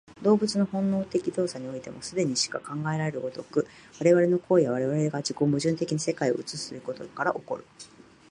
動物の本能的動作においても、既にしか考えられる如く、我々の行為は我々が自己矛盾的に世界を映すということから起こる。